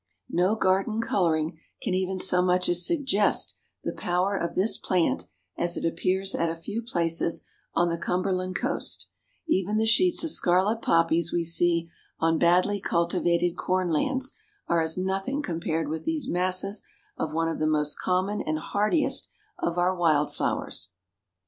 No garden coloring can even so much as suggest the power of this plant as it appears at a few places on the Cumberland coast; even the sheets of scarlet poppies we see on badly cultivated corn lands are as nothing compared with these masses of one of the most common and hardiest of our wild flowers.